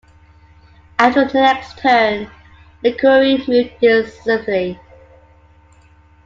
After the next turn, Liquori moved decisively.